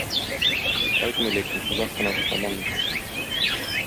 Кайтмый ләкин, озак кына заман үтә.